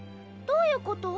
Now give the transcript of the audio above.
どういうこと？